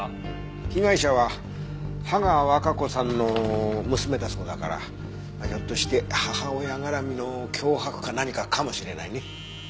被害者は芳賀和香子さんの娘だそうだからひょっとして母親絡みの脅迫か何かかもしれないね。